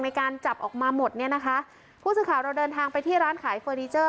มีการจับออกมาหมดเนี่ยนะคะผู้สื่อข่าวเราเดินทางไปที่ร้านขายเฟอร์นิเจอร์